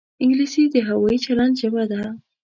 انګلیسي د هوايي چلند ژبه ده